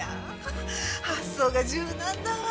発想が柔軟だわ。